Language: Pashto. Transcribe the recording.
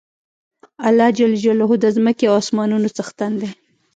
الله ج د ځمکی او اسمانونو څښتن دی